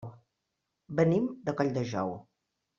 Venim de Colldejou.